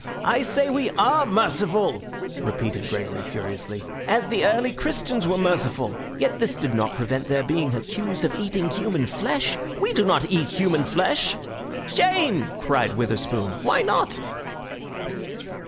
"I say we are merciful," repeated Gregory furiously, "as the early Christians were merciful. Yet this did not prevent their being accused of eating human flesh. We do not eat human flesh—" "Shame!" cried Witherspoon. "Why not?"